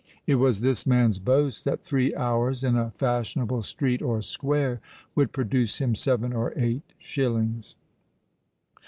It was this man's boast that three hours in a fashionable street or square would produce him seven or eight shillings.